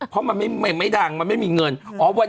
เป็นการกระตุ้นการไหลเวียนของเลือด